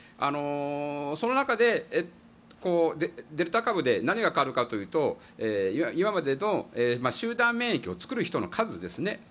その中でデルタ株で何が変わるかというと今までの集団免疫を作る人の数ですね。